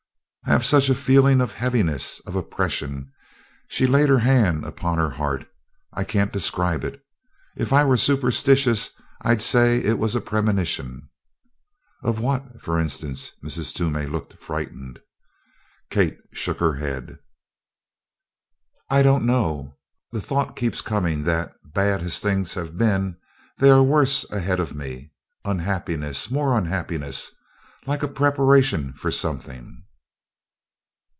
"I have such a feeling of heaviness, of oppression" she laid her hand upon her heart "I can't describe it. If I were superstitious I'd say it was a premonition." "Of what, for instance?" Mrs. Toomey looked frightened. Kate shook her head. "I don't know. The thought keeps coming that, bad as things have been, there are worse ahead of me unhappiness more unhappiness like a preparation for something."